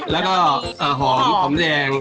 แล้วก็หอมหอมแดง